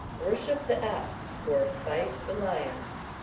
worship the ass, or fight the lion.